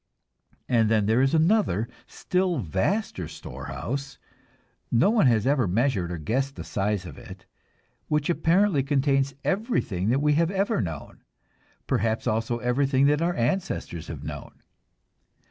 And then there is another, still vaster storehouse no one has ever measured or guessed the size of it which apparently contains everything that we have ever known, perhaps also everything that our ancestors have known.